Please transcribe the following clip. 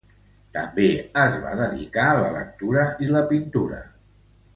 També es va dedicar a la lectura i la pintura.